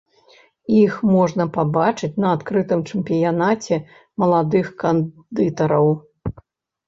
Іх можна пабачыць на адкрытым чэмпіянаце маладых кандытараў.